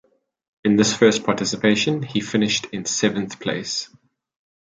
In this first participation, he finished in seventh place.